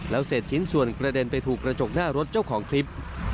เศษชิ้นส่วนกระเด็นไปถูกกระจกหน้ารถเจ้าของคลิป